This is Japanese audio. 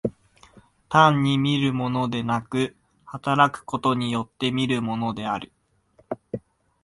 単に見るものでなく、働くことによって見るものである。